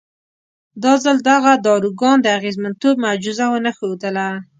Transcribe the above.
دا ځل دغه داروګان د اغېزمنتوب معجزه ونه ښودله.